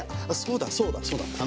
あそうだそうだそうだ。